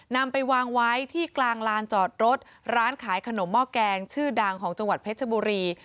นำไปวางไว้ที่กลางลานจอดรถร้านขายขนมหม้อแกงชื่อดังของจังหวัดเพชรบุรี